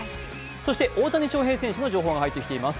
そして大谷翔平選手の情報が入ってきています。